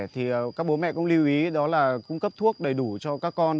thì các bố mẹ cũng lưu ý đó là cung cấp thuốc đầy đủ cho các con